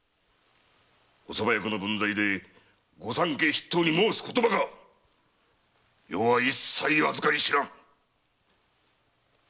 御側役の分際で御三家筆頭に申す言葉か⁉余は一切あずかり知らぬ！